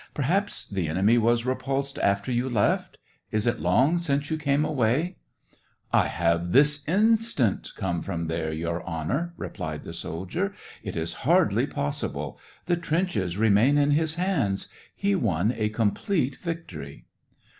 "Perhaps the enemy was repulsed after you left ? Is it long since you came away ?" "I have this instant come from there. Your Honor," repHed the soldier. " It is hardly possi ble. The trenches remained in his hands ... he won a complete victory."